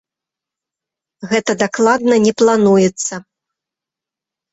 Гэта дакладна не плануецца.